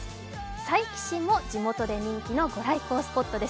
佐伯市も地元で人気の御来光スポットです。